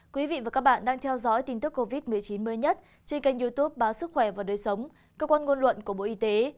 quý vị và các bạn đang theo dõi tin tức covid một mươi chín mới nhất trên kênh youtube báo sức khỏe và đời sống cơ quan ngôn luận của bộ y tế